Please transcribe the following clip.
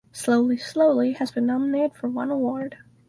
Slowly Slowly has been nominated for one award.